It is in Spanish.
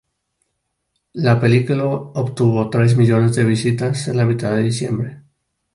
La película obtuvo tres millones de vistas en la mitad de diciembre.